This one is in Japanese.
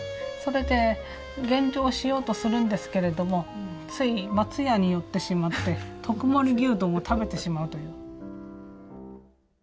それで減量しようとするんですけれどもつい松屋に寄ってしまって特盛牛丼を食べてしまうという。